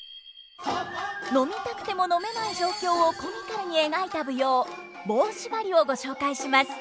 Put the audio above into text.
飲みたくても飲めない状況をコミカルに描いた舞踊「棒しばり」をご紹介します！